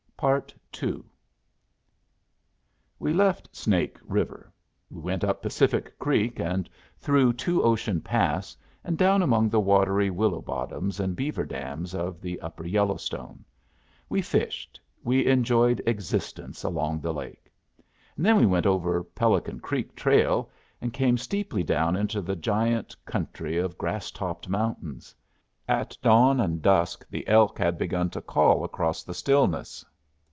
II We left Snake River. We went up Pacific Creek, and through Two Ocean Pass, and down among the watery willow bottoms and beaverdams of the Upper Yellowstone. We fished; we enjoyed existence along the lake. Then we went over Pelican Creek trail and came steeply down into the giant country of grasstopped mountains. At dawn and dusk the elk had begun to call across the stillness.